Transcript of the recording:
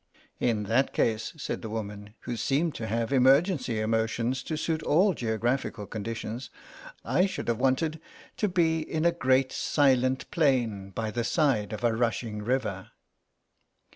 "In that case," said the woman, who seemed to have emergency emotions to suit all geographical conditions, "I should have wanted to be in a great silent plain by the side of a rushing river."